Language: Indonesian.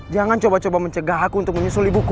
jangan coba coba mencegah aku untuk menyusuli buku